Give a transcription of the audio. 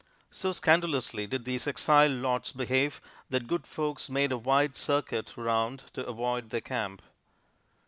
So scandalously did these exiled lords behave that good folks made a wide circuit 'round to avoid their camp.